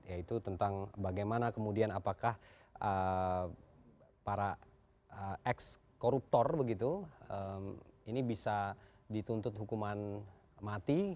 yaitu tentang bagaimana kemudian apakah para ex koruptor begitu ini bisa dituntut hukuman mati